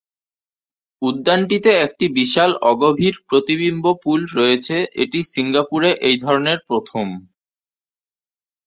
উদ্যানটিতে একটি বিশাল অগভীর প্রতিবিম্ব পুল রয়েছে, এটি সিঙ্গাপুরে এইধরনের প্রথম।